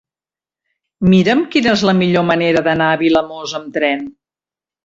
Mira'm quina és la millor manera d'anar a Vilamòs amb tren.